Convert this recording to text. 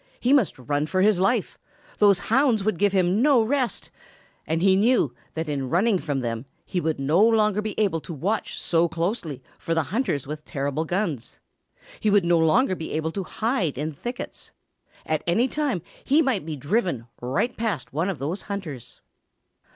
He must run for his life! Those hounds would give him no rest. And he knew that in running from them, he would no longer be able to watch so closely for the hunters with terrible guns. He would no longer be able to hide in thickets. At any time he might be driven right past one of those hunters.